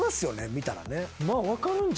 見たらね。